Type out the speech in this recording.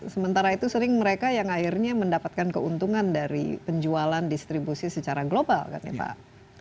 sementara itu sering mereka yang akhirnya mendapatkan keuntungan dari penjualan distribusi secara global kan ya pak